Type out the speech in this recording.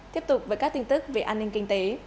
tiếp tục với các tin tức về an ninh kinh tế